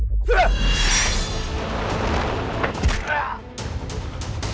mengapa kamu sed woodruff buat mengkhairati saya